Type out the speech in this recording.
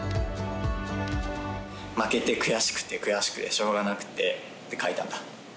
負けて悔しくて悔しくてしょうがなくて書いたんだ。